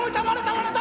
割れた！